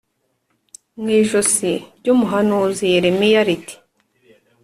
mu ijosi ry umuhanuzi Yeremiya riti